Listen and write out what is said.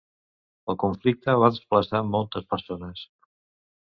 El conflicte va desplaçar moltes persones.